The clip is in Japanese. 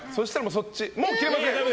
もう切れません！